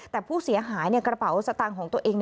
แต่ผู้เสียหายกระเป๋าสตางค์ของตัวเอง